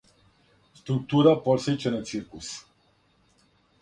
Структура подсећа на циркус.